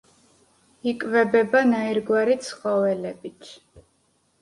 იკვებება ნაირგვარი ცხოველებით.